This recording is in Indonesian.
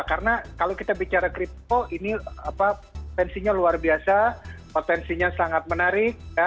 karena kalau kita bicara kripto ini potensinya luar biasa potensinya sangat menarik